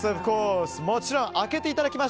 もちろん、開けていただきます。